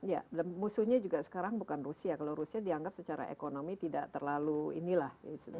ya musuhnya juga sekarang bukan rusia kalau rusia dianggap secara ekonomi tidak terlalu inilah